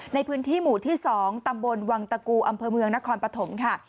ในพื้นที่หมู่ที่๒ตำบลวังตะกูอำเภอเมืองนครปฐมค่ะ